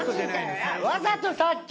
わざとさっき。